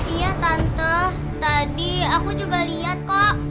iya tante tadi aku juga lihat kok